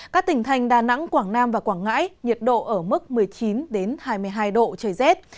các tỉnh thành đà nẵng quảng nam và quảng ngãi nhiệt độ ở mức một mươi chín hai mươi hai độ trời rét